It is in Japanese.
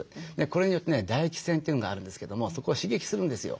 これによってね唾液腺というのがあるんですけどもそこを刺激するんですよ。